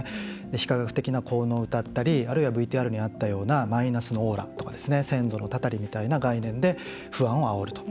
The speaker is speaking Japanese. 非科学的な効能をうたったりあるいは、ＶＴＲにあったようなマイナスのオーラとか先祖のたたりみたいな概念で不安をあおると。